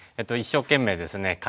一生懸命ですね